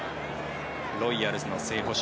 ロイヤルズの正捕手。